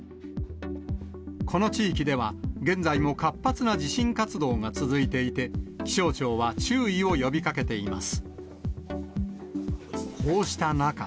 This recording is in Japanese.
この地域では、現在も活発な地震活動が続いていて、気象庁は注意を呼びかけています。